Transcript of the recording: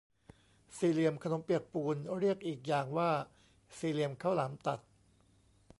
สี่เหลี่ยมขนมเปียกปูน เรียกอีกอย่างว่าสี่เหลี่ยมข้าวหลามตัด